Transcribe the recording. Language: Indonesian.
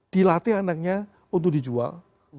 dilatih anaknya untuk dijual